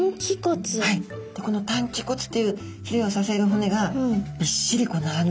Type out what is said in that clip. この担鰭骨っていうひれを支える骨がびっしり並んでますので。